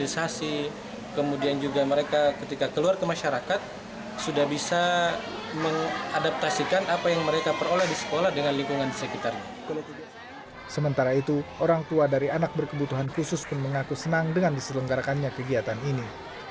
sementara itu orang tua dari anak berkebutuhan khusus pun mengaku senang dengan diselenggarakannya kegiatan ini